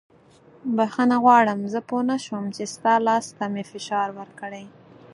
بښنه غواړم زه پوه نه شوم چې ستا لاس ته مې فشار ورکړی.